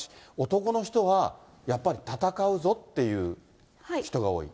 男の人はやっぱり戦うぞっていう人が多い？